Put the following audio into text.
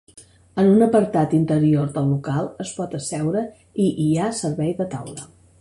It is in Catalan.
En un apartat interior del local es pot asseure i hi ha servei de taula.